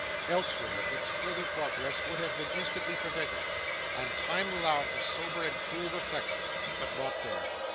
Elsewhere, its further progress would have been instantly prevented, and time allowed for sober and cool reflection; but not there.